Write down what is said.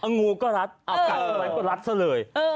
งูก็รัดกัดก็รัดซะเลย